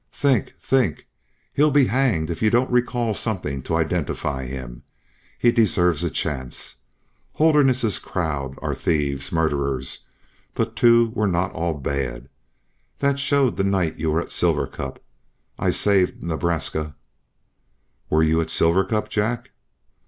"Think! Think! He'll be hanged if you don't recall something to identify him. He deserves a chance. Holderness's crowd are thieves, murderers. But two were not all bad. That showed the night you were at Silver Cup. I saved Nebraska " "Were you at Silver Cup? Jack!"